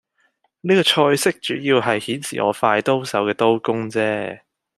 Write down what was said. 呢個菜式主要係顯示我快刀手嘅刀工啫